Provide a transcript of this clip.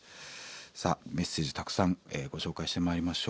さあメッセージたくさんご紹介してまいりましょう。